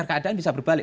keadaan bisa berbalik